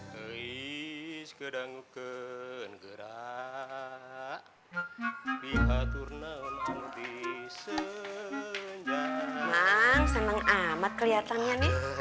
bang seneng amat kelihatannya nih